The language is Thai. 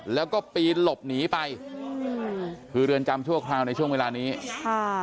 แล้วก็ปีนหลบหนีไปคือเรือนจำชั่วคราวในช่วงเวลานี้ค่ะ